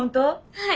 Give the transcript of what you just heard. はい。